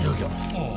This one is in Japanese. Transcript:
ああ。